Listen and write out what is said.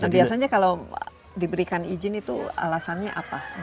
biasanya kalau diberikan izin itu alasannya apa